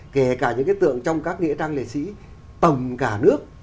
kể cả những cái tượng trong các nghĩa trang lệ sĩ tầm cả nước